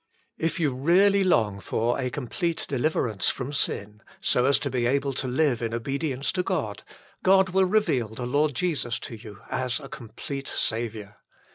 If you really long for a com plete deliverance from sin, so as to be able to live in obedience to God, God will reveal the Lord Jesus to you as a complete Saviour.